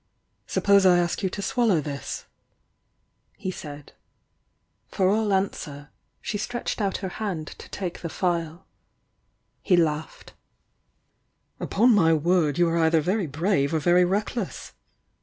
"Suppose I ask you to swallow this?" he said. For all answer, she stretched out her hand to take the phial. He laughed. "Upon my word, you are either very brave or very reckless!"